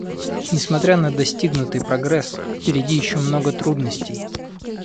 Несмотря на достигнутый прогресс, впереди еще много трудностей.